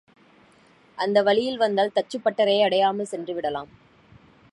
அந்த வழியில் வந்தால் தச்சுப்பட்டறையை அடையாமல் சென்றுவிடலாம்.